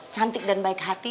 cantik dan baik hati